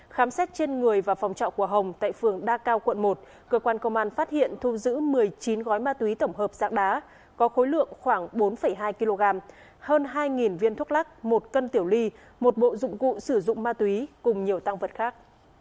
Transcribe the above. khám xét trên người và phòng trọ của hồng tại phường đa cao quận một cơ quan công an phát hiện thu giữ một mươi chín gói ma túy tổng hợp dạng đá có khối lượng khoảng bốn hai kg hơn hai viên thuốc lắc một cân tiểu ly một bộ dụng cụ sử dụng ma túy cùng nhiều tăng vật khác